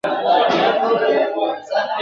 انګرېزی لښکر به تېښته کوي.